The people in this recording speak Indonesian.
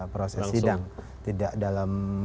proses sidang tidak dalam